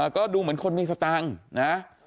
ก็ดูเหมือนคนมีสตางค์นะ